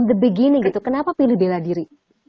dari awal gitu kenapa pilih bela diri